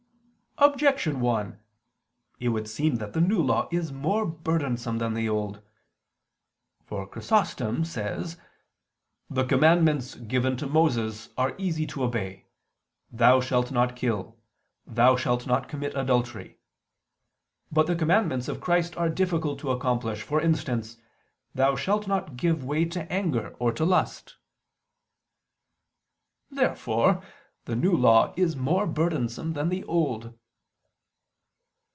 Objection 1: It would seem that the New Law is more burdensome than the Old. For Chrysostom (Opus Imp. in Matth., Hom. x [*The work of an unknown author]) say: "The commandments given to Moses are easy to obey: Thou shalt not kill; Thou shalt not commit adultery: but the commandments of Christ are difficult to accomplish, for instance: Thou shalt not give way to anger, or to lust." Therefore the New Law is more burdensome than the Old.